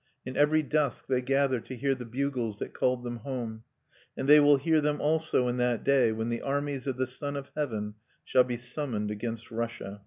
In every dusk they gather to hear the bugles that called them home. And they will hear them also in that day when the armies of the Son of Heaven shall be summoned against Russia."